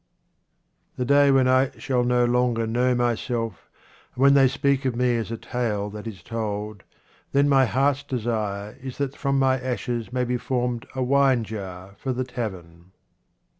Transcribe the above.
The day when I shall no longer know myself, and when they speak of me as a tale that is told, then my heart's desire is that from my ashes may be formed a wine jar for the tavern.